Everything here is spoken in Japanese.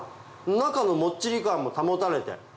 中のもっちり感も保たれて。